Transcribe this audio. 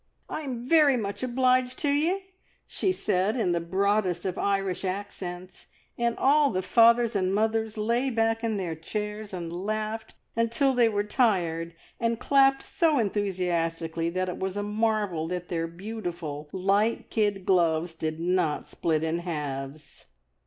"I'm very much obliged to ye!" she said in the broadest of Irish accents, and all the fathers and mothers lay back in their chairs and laughed until they were tired, and clapped so enthusiastically that it was a marvel that their beautiful light kid gloves did not split an halves.